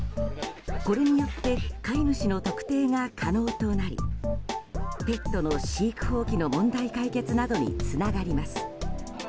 これによって飼い主の特定が可能となりペットの飼育放棄の問題解決などにつながります。